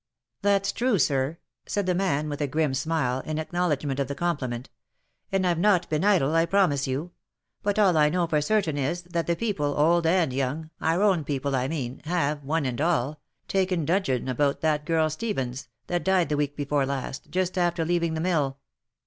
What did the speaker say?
"That's true, sir," said the man, with a grim smile, in acknow ledgment of the compliment; " and I've not been idle, I promise you. But all T know for certain is, that the people, old and young, our own people I mean, have, one and all, taken dudgeon about that girl Stephens, that died the week before last, just after leaving the mill.